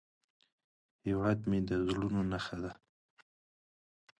هیواد مې د زړونو نخښه ده